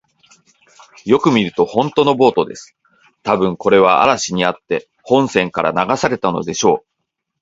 よく見ると、ほんとのボートです。たぶん、これは嵐にあって本船から流されたのでしょう。